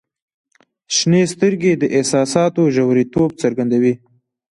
• شنې سترګې د احساساتو ژوریتوب څرګندوي.